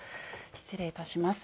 失礼いたします。